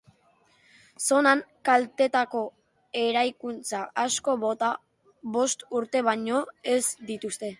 Zonan kaltetutako eraikuntza askok bost urte baino ez dituzte.